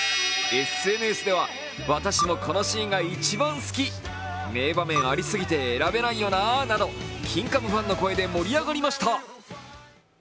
ＳＮＳでは、私もこのシーンが一番好き、名場面ありすぎて選べないよなーなど、「キンカム」ファンの声で盛り上がりました。